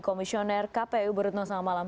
komisioner kpu burutno selamat malam